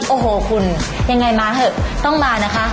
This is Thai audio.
โอ้โหคุณยังไงมาเถอะต้องมานะคะ